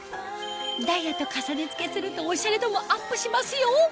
ダイヤと重ね着けするとオシャレ度もアップしますよ！